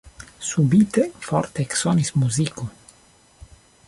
Subite forte eksonis muziko.